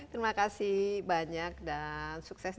terima kasih banyak dan sukses